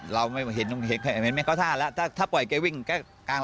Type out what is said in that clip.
เราไม่เห็นเค้าถ้าแล้วถ้าปล่อยไกวิ่งก็กลาง